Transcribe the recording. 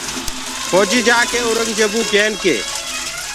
ڦوجيٚ جآڪي اورنٚگجيبو ڪين ڪي